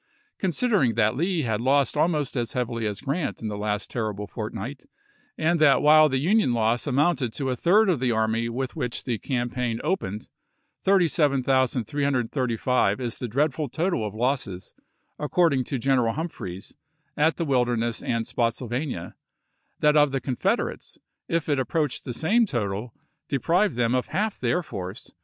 ^ Considering that Lee had lost almost as heav ily as Grant in the last terrible fortnight, and that while the Union loss amounted to a third of the army with which the campaign opened — 37,335 is the di'eadful total of losses, according to General Humphreys, at the Wilderness and Spotsylvania — that of the Confederates, if it ap proached the same total, deprived them of half their force.